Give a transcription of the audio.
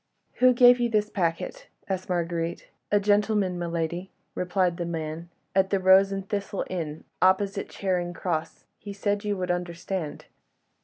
"Who gave you this packet?" asked Marguerite. "A gentleman, my lady," replied the man, "at 'The Rose and Thistle' inn opposite Charing Cross. He said you would understand."